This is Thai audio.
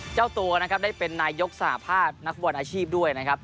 เจ้าตัวนะครับได้เป็นนายกสหภาพนักฟุตบอลอาชีพด้วยนะครับ